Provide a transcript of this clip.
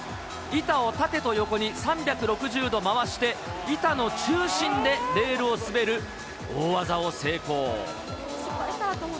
板を縦と横に３６０度回して、板の中心でレールを滑る大技を成功。